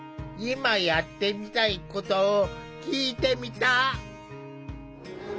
今やってみたいことを聞いてみた。